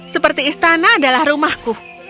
seperti istana adalah rumahku